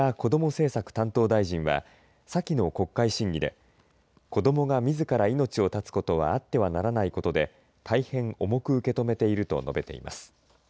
政策担当大臣は先の国会審議で子どもがみずから命を絶つことはあってはならないことで大変重く受け止めていると述べています。